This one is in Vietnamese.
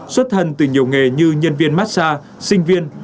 xuất thân từ nhiều nghề như nhân viên massage sinh viên